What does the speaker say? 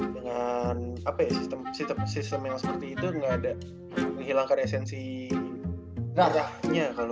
dengan sistem yang seperti itu gak ada menghilangkan esensi draft nya